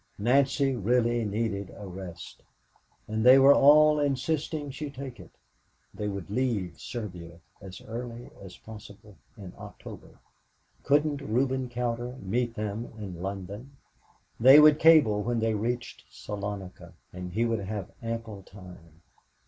Nancy really needed a rest, and they were all insisting she take it. They would leave Serbia as early as possible in October, couldn't Reuben Cowder meet then in London? They would cable when they reached Salonika, and he would have ample time.